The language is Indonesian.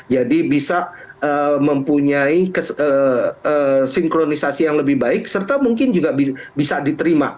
jadi bisa mempunyai sinkronisasi yang lebih baik serta mungkin juga bisa diterima